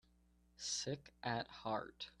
Sick at heart